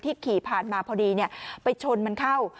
ขี่ผ่านมาพอดีไปชนมันเข้า